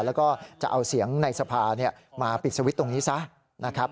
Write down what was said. แล้วก็จะเอาเสียงในสภามาปิดสวิตช์ตรงนี้ซะนะครับ